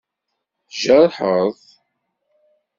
Tjerḥeḍ?